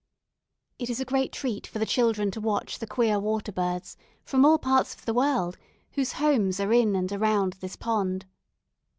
It is a great treat for the children to watch the queer water birds from all parts of the world whose homes are in and around this pond.